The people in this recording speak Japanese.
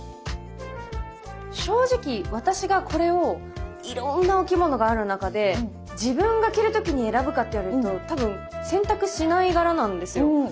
正直私がこれをいろんなお着物がある中で自分が着る時に選ぶかって言われると多分選択しない柄なんですよ